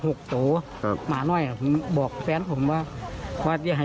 พอวัวไปกินหญ้าอะไรเสร็จเรียบร้อยเสร็จเรียบร้อย